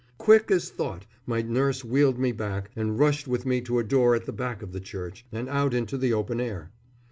Quick as thought my nurse wheeled me back, and rushed with me to a door at the back of the church, and out into the open air.